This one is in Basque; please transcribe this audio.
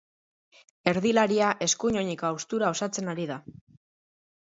Erdilaria eskuin oineko haustura osatzen ari da.